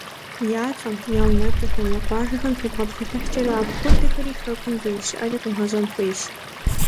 Я цӏэм, я унэцӏэхэм, я къуажэхэм тебгъэпсэлъыхькӏэрэ, апхуэдэхэри Хэкум зэрыщыӏэри къегъэщӏэн хуейщ.